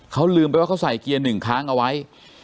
เขาลืมไปว่าเขาใส่เกียร์หนึ่งค้างเอาไว้